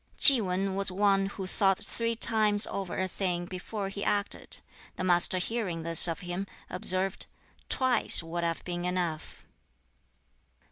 Ki Wan was one who thought three times over a thing before he acted. The Master hearing this of him, observed, "Twice would have been enough."